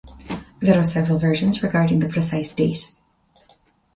There are several versions regarding the precise date.